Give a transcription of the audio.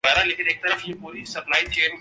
تائتا